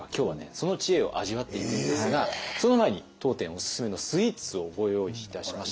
その知恵を味わっていくんですがその前に当店おすすめのスイーツをご用意いたしました。